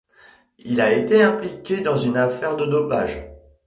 Il a été impliqué dans une affaire de dopage.